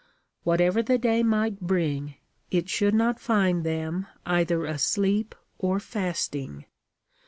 Whatever the day might bring, it should not find them either asleep or fasting.